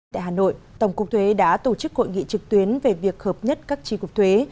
tại hà nội tổng cục thuế đã tổ chức hội nghị trực tuyến về việc hợp nhất các tri cục thuế